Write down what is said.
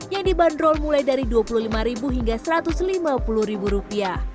yang dibanderol mulai dari rp dua puluh lima hingga rp satu